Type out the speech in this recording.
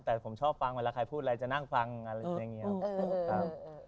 แต่ผมชอบฟังเวลาใครพูดอะไรจะนั่งฟังอะไรอย่างนี้ครับ